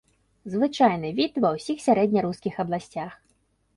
Звычайны від ва ўсіх сярэднярускіх абласцях.